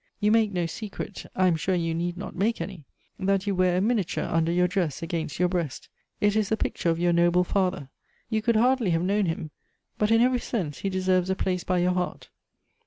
You make no secret (I am sure you need not make any,) that you wear a miniature under your dress against your breast. It is the picture of your noble father. You could hardly have known him ; but in every sense he deserves a place by your heart.